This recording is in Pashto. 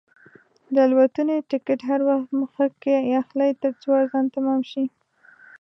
د الوتنې ټکټ هر وخت مخکې اخلئ، ترڅو ارزان تمام شي.